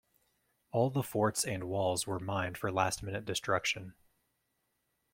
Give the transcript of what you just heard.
All the forts and walls were mined for last-minute destruction.